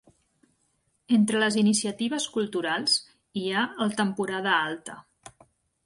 Entre les iniciatives culturals, hi ha el Temporada Alta.